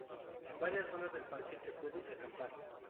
En varias zonas del parque se puede acampar.